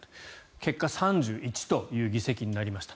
結果、３１という議席になりました。